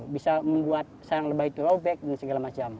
bisa membuat sarang lebah itu robek dan segala macam